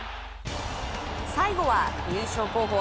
最後は優勝候補